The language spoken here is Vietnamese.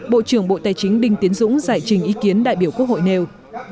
bộ trưởng bộ tài chính đinh tiến dũng giải trình ý kiến đại biểu quốc hội nêu